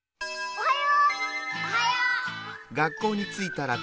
おはよう。